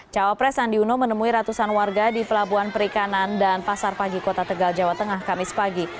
cawapres sandi uno menemui ratusan warga di pelabuhan perikanan dan pasar pagi kota tegal jawa tengah kamis pagi